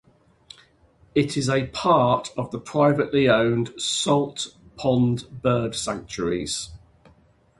It is a part of the privately owned Salt Pond bird sanctuaries.